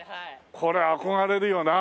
これ憧れるよな。